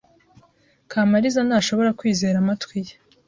Kamariza ntashobora kwizera amatwi ye.